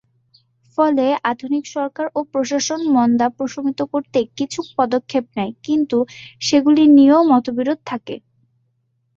ফলে, আধুনিক সরকার ও প্রশাসন মন্দা প্রশমিত করতে কিছু পদক্ষেপ নেয়, কিন্তু সেগুলি নিয়েও মতবিরোধ থাকে।